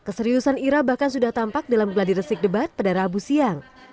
ketegasan ira bahkan sudah tampak dalam gladi resik debat pada rabu siang